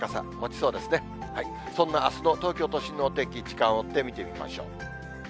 そんなあすの東京都心のお天気、時間を追って見てみましょう。